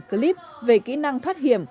clip về kỹ năng thoát hiểm